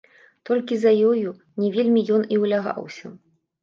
Толькі за ёю не вельмі ён і ўлягаўся.